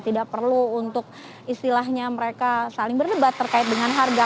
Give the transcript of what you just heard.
tidak perlu untuk istilahnya mereka saling berdebat terkait dengan harga